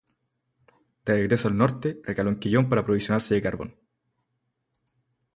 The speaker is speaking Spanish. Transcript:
De regreso al norte, recaló en Quellón para aprovisionarse de carbón.